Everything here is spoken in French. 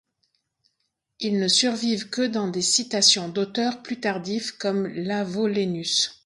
Ils ne survivent que dans des citations d'auteurs plus tardifs comme Iavolenus.